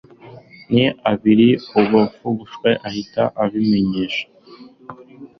n abiri Uwagifashe ahita abimenyesha